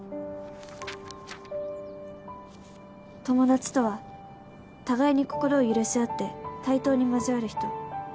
「『友達』とは互いに心を許し合って、対等に交わる人」